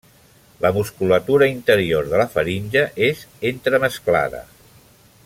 La musculatura interior de la faringe és entremesclada.